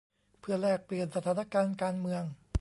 เพื่อแลกเปลี่ยนสถานการณ์การเมือง